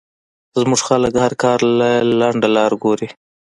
زمونږ خلک هر کار له لنډه لار ګوري